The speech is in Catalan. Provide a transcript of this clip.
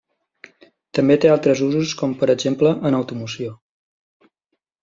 També té altres usos com per exemple en automoció.